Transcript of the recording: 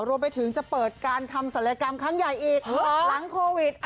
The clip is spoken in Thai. รวมไปถึงจะเปิดการทำศัลยกรรมครั้งใหญ่อีกหลังโควิด